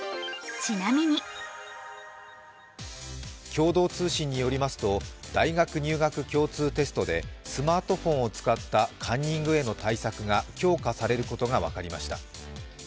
共同通信によりますと、大学入学共通テストでスマートフォンを使ったカンニングへの対策が強化されることが分かりました。